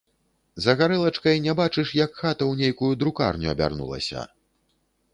За гарэлачкай не бачыш, як хата ў нейкую друкарню абярнулася.